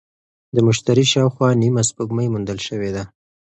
د مشتري شاوخوا نیمه سپوږمۍ موندل شوې ده.